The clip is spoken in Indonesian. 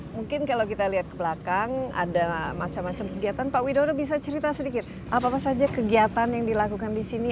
mungkin kalau kita lihat ke belakang ada macam macam kegiatan pak widodo bisa cerita sedikit apa apa saja kegiatan yang dilakukan di sini